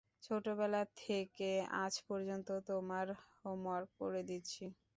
ছোটবেলা থেকে আজ পর্যন্ত, তোমার হোমওয়ার্ক করে দিচ্ছি।